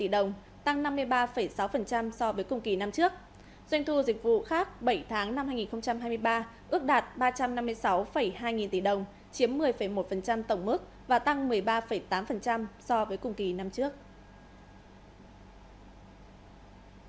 doanh thu dịch vụ khác bảy tháng năm hai nghìn hai mươi ba ước đạt ba trăm năm mươi sáu hai nghìn tỷ đồng chiếm một mươi một tổng mức và tăng một mươi ba tám so với cùng kỳ năm trước